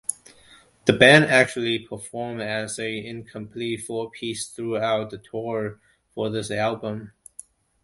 The band actually performed as an incomplete four-piece throughout the tour for this album.